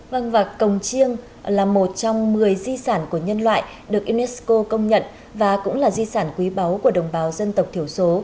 vâng và cồng chiêng là một trong một mươi di sản của nhân loại được unesco công nhận và cũng là di sản quý báu của đồng bào dân tộc thiểu số